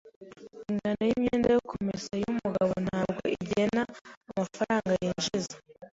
Ingano yimyenda yo kumesa yumugabo ntabwo igena amafaranga yinjiza.